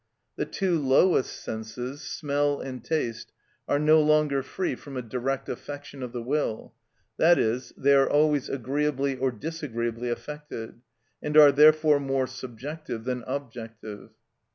The two lowest senses, smell and taste, are no longer free from a direct affection of the will, that is, they are always agreeably or disagreeably affected, and are therefore more subjective than objective.